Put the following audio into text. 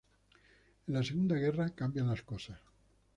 En la segunda guerra, cambian las cosas.